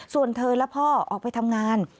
ส่วนเธอและพ่อออกไปทำงาน